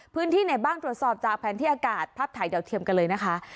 พื้นที่ไหนบ้างตรวจสอบจากแผนที่อากาศภาพถ่ายดาวเทียมกันเลยนะคะ